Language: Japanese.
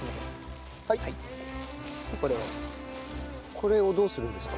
これをどうするんですか？